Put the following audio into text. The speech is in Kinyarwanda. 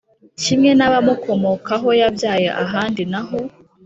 Kimwe n abamukomokaho yabyaye ahandi naho